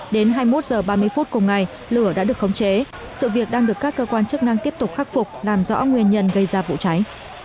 đến hai mươi một h ba mươi phút cùng ngày lửa đã được khống chế sự việc đang được các cơ quan chức năng tiếp tục khắc phục làm rõ nguyên nhân gây ra vụ cháy